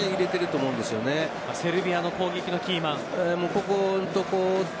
セルビアの攻撃のキーマン。